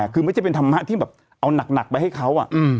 คือไม่ใช่เป็นธรรมะที่แบบเอาหนักไปให้เขา